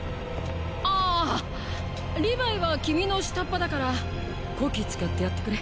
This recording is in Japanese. あーリヴァイは君の下っ端だからコキ使ってやってくれ。